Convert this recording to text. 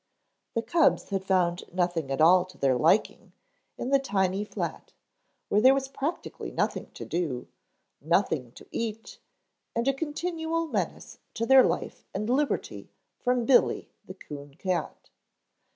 The cubs had found nothing at all to their liking in the tiny flat, where there was practically nothing to do, nothing to eat and a continual menace to their life and liberty from Billy, the Coon Cat.